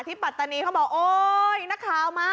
ปัตตานีเขาบอกโอ๊ยนักข่าวมา